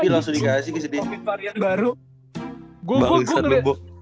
langsung dikasih gede baru